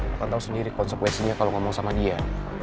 lo kan tau sendiri konsekuensinya kalo ngomong sama dia